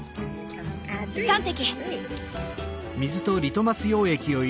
３滴。